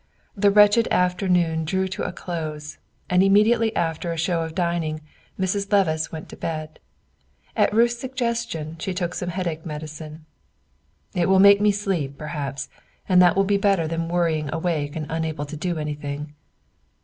The wretched afternoon drew to a close; and immediately after a show of dining, Mrs. Levice went to bed. At Ruth's suggestion she took some headache medicine. "It will make me sleep, perhaps; and that will be better than worrying awake and unable to do anything."